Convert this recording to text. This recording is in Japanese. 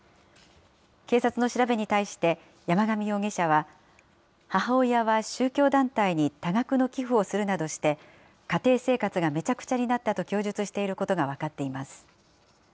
警察の調べに対して、山上容疑者は、母親は宗教団体に多額の寄付をするなどして、家庭生活がめちゃくちゃになったと供述していることが分かっています。